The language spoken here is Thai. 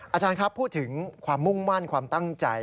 อาจารย์ครับพูดถึงความมุ่งมั่นความตั้งใจ